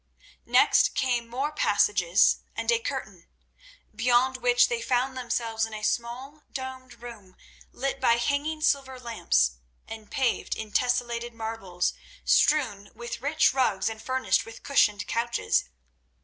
Next came more passages and a curtain, beyond which they found themselves in a small, domed room, lit by hanging silver lamps and paved in tesselated marbles, strewn with rich rugs and furnished with cushioned couches.